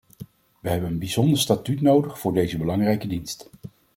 We hebben een bijzonder statuut nodig voor deze belangrijke dienst.